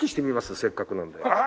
せっかくなんで。